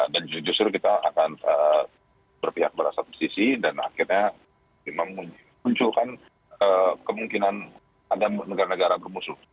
dan justru kita akan berpihak berasa bersisi dan akhirnya memang munculkan kemungkinan ada negara negara bermusuh